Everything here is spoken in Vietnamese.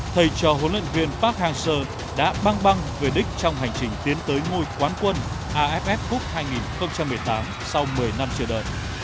thầy trò huấn luyện viên park hang seo đã băng băng về đích trong hành trình tiến tới ngôi quán quân aff cup hai nghìn một mươi tám sau một mươi năm chờ đợi